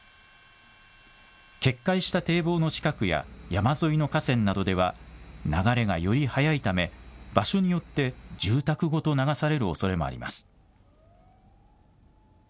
決壊した堤防の近くや山沿いの河川などでは流れがより速いため場所によって住宅ごと流されるおそれもあります。